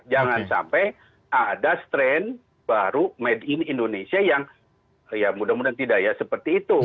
jangan sampai ada strain baru made in indonesia yang ya mudah mudahan tidak ya seperti itu